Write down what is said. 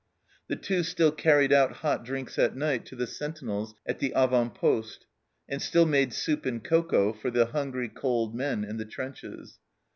The Two still carried out hot drinks at night to the sentinels at the avant poste, and still made soup and cocoa for the hungry, cold men in the trenches.